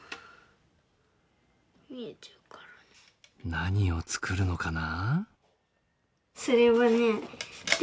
何を作るのかな？